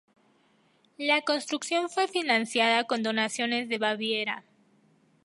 La construcción fue financiada con donaciones de Baviera.